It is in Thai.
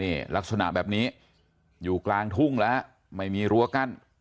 นี่ลักษณะแบบนี้อยู่กลางทุ่งแล้วฮะไม่มีรั้วกั้น